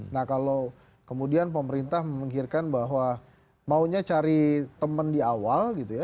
nah kalau kemudian pemerintah memikirkan bahwa maunya cari teman di awal gitu ya